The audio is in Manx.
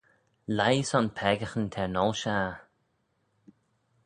Leih son peccaghyn t'er ngholl shaghey.